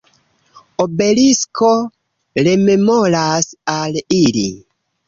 Obelisko rememoras al ili.